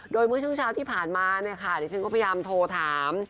โดยเมื่อช่วงเช้าที่ผ่านมาเนี่ยค่ะดิฉันก็พยายามโทรถาม